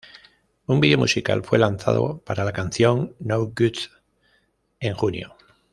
Un video musical fue lanzado para la canción "No Good" en junio.